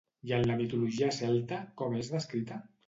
I en la mitologia celta, com és descrita?